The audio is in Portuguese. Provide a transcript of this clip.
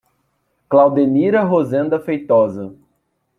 Claudenira Rozenda Feitosa